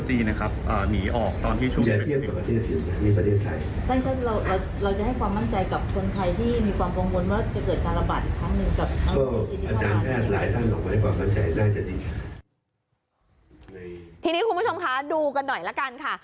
ทีนี้คุณผู้ชมคะดูกันหน่อยละกันค่ะ